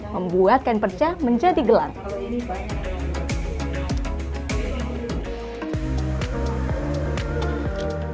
membuat kain perca menjadi gelap